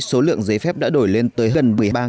số lượng giấy phép đã đổi lên tới gần